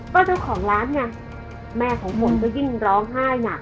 ก็เจ้าของร้านไงแม่ของฝนก็ยิ่งร้องไห้หนัก